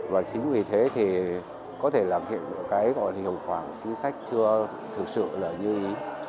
và chính vì thế thì có thể làm hiện được cái hiệu quả chính sách chưa thực sự là như ý